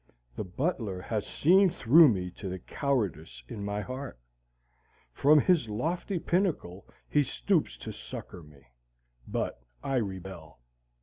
The butler has seen through me to the cowardice in my heart. From his lofty pinnacle he stoops to succor me. But I rebel.